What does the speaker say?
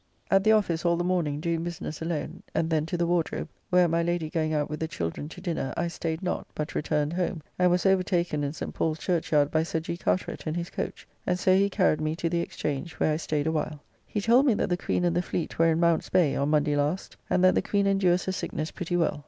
At the office all the morning doing business alone, and then to the Wardrobe, where my Lady going out with the children to dinner I staid not, but returned home, and was overtaken in St. Paul's Churchyard by Sir G. Carteret in his coach, and so he carried me to the Exchange, where I staid awhile. He told me that the Queen and the fleet were in Mount's Bay on Monday last, and that the Queen endures her sickness pretty well.